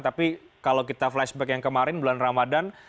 tapi kalau kita flashback yang kemarin bulan ramadan